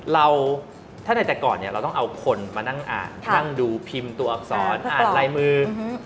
ถ้าในแต่ก่อนเนี่ยเราต้องเอาคนมานั่งอ่านนั่งดูพิมพ์ตัวอักษรอ่านลายมือ